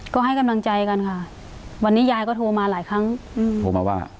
ก็ให้กำลังใจกันค่ะวันนี้ยายก็โทรมาหลายครั้งอืมโทรมาว่า